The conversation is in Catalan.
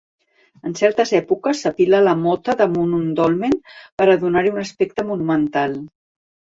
En certes èpoques, s'apila la mota damunt un dolmen per a donar-hi un aspecte monumental.